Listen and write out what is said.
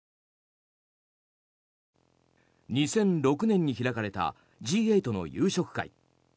２００６年に開かれたＧ８の夕食会。